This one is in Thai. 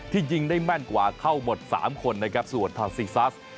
ที่ยิงได้แม่นกว่าเข้าหมด๓คนส่วนทาธิซัส